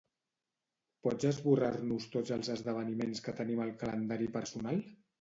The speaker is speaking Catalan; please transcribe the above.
Pots esborrar-nos tots els esdeveniments que tenim al calendari personal?